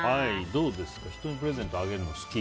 どうですか人にプレゼントあげるの好き？